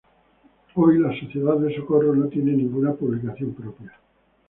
Hoy, la Sociedad de Socorro no tiene ninguna publicación propia.